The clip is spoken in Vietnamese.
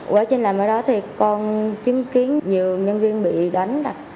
quá trình làm ở đó thì con chứng kiến nhiều nhân viên bị đánh đập